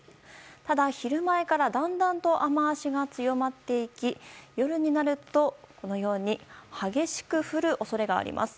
ただ昼前からだんだんと雨脚が強まっていき夜になると激しく降る恐れがあります。